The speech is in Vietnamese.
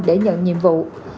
để nhận nhiệm vụ